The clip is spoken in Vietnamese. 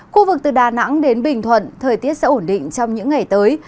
khu vực từ đà nẵng đến bình thuận thời tiết sẽ ổn định trong những ngày tới